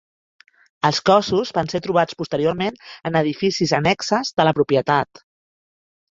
Els cossos van ser trobats posteriorment en edificis annexes de la propietat.